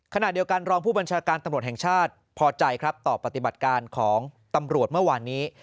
ขณะเดียวกันรองผู้บัญชาการตำรวจแห่งชาติพอใจครับต่อปฏิบัติการของตำรวจเมื่อวานนี้